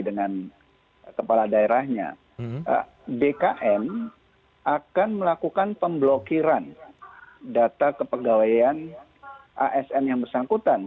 dengan kepala daerahnya bkn akan melakukan pemblokiran data kepegawaian asn yang bersangkutan